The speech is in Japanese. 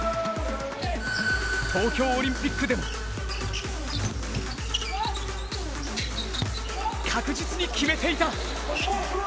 東京オリンピックでも確実に決めていた！